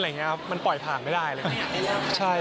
อะไรอย่างนี้ครับมันปล่อยผ่านไม่ได้เลย